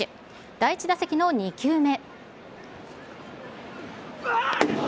第１打席の２球目。